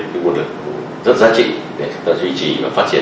cái nguồn lực rất giá trị để chúng ta duy trì và phát triển